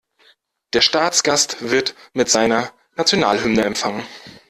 Der Staatsgast wird mit seiner Nationalhymne empfangen.